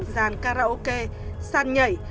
dàn karaoke san nhảy